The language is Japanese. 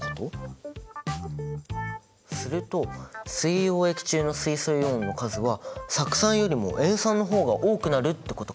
すると水溶液中の水素イオンの数は酢酸よりも塩酸の方が多くなるってことか！